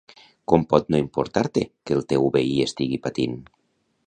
Com pot no importar-te que el teu veí estigui patint?